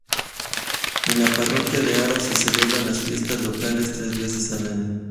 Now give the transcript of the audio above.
En la parroquia de Aro se celebran las fiestas locales tres veces al año.